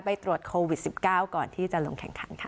ไปตรวจโควิด๑๙ก่อนที่จะลงแข่งขันค่ะ